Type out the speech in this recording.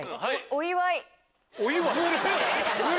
お祝い！